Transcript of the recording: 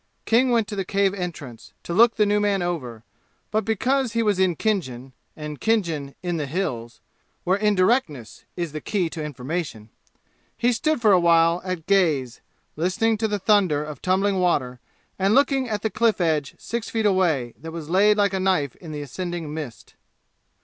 King went to the cave entrance, to look the new man over; but because he was in Khinjan, and Khinjan in the "Hills," where indirectness is the key to information, he stood for a while at gaze, listening to the thunder of tumbling water and looking at the cliff edge six feet away that was laid like a knife in the ascending mist.